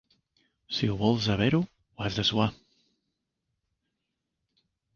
Si vols haver-ho, ho has de suar.